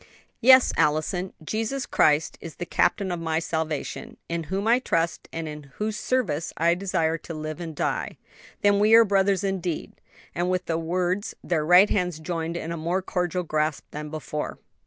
"Yes, Allison; Jesus Christ is the Captain of my salvation; in whom I trust, and in whose service I desire to live and die." "Then are we brothers indeed!" and with the words their right hands joined in a more cordial grasp than before.